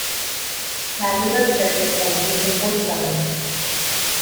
Callura threatened only in the fourth round.